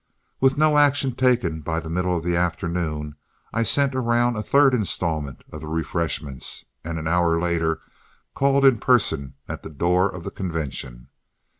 With no action taken by the middle of the afternoon, I sent around a third installment of refreshments, and an hour later called in person at the door of the convention.